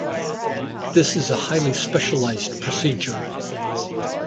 This is a highly specialized procedure.